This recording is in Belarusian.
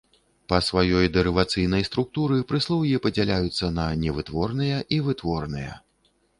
Па сваёй дэрывацыйнай структуры прыслоўі падзяляюцца на невытворныя і вытворныя.